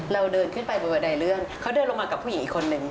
เราเดินขึ้นไปบนบันไดเลื่อนเขาเดินลงมากับผู้หญิงอีกคนนึง